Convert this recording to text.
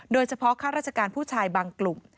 โดยเฉพาะข้าราชการผู้ชายบางกลุ่ม